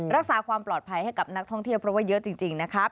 รักษาความปลอดภัยให้กับนักท่องเที่ยวเพราะว่าเยอะจริงนะครับ